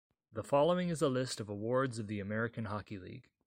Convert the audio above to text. The following is a list of awards of the American Hockey League.